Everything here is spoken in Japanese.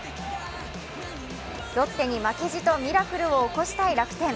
ロッテに負けじとミラクルを起こしたい楽天。